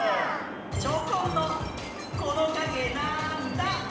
チョコンの「このかげなんだ？」。